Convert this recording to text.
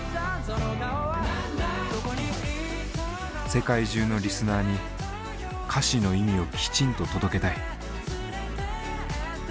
世界中のリスナーに「歌詞の意味をきちんと届けたい」。